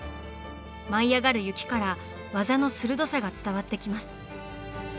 舞い上がる雪から技の鋭さが伝わってきます。